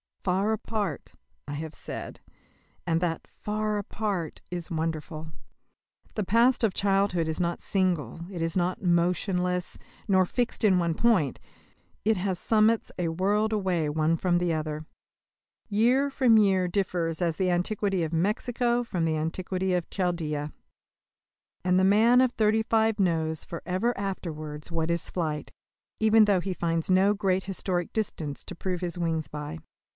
"Far apart," I have said, and that "far apart" is wonderful. The past of childhood is not single, is not motionless, nor fixed in one point; it has summits a world away one from the other. Year from year differs as the antiquity of Mexico from the antiquity of Chaldea. And the man of thirty five knows for ever afterwards what is flight, even though he finds no great historic distances to prove his wings by.